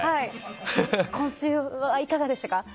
今週はいかがでしたか？